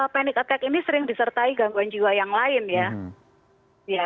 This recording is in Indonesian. panic attack ini sering disertai gangguan jiwa yang lain ya